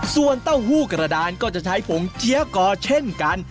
ส่วนเต้าหู้กระดานก็จะใช้ผงเจี๊ยวก่อเช่นกัน